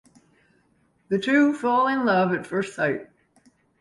The two fall in love at first sight.